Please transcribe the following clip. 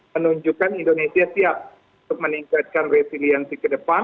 menunjukkan indonesia siap untuk meningkatkan resiliensi ke depan